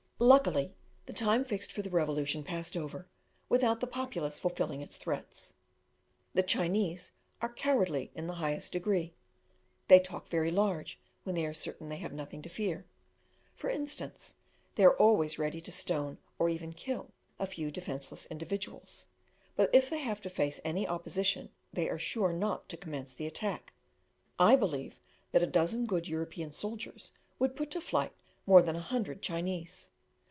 Luckily, the time fixed for the revolution passed over, without the populace fulfilling its threats. The Chinese are cowardly in the highest degree; they talk very large when they are certain they have nothing to fear. For instance, they are always ready to stone, or even kill, a few defenceless individuals, but if they have to fear any opposition, they are sure not to commence the attack. I believe that a dozen good European soldiers would put to flight more than a hundred Chinese.